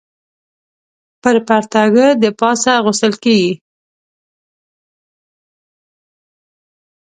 پر پرتاګه د پاسه اغوستل کېږي.